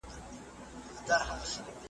رحیم د کوټې ور په پوره زور په لغته وواهه.